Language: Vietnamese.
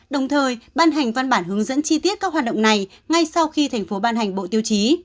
đồng thời ban hành văn bản hướng dẫn chi tiết các hoạt động này ngay sau khi thành phố ban hành bộ tiêu chí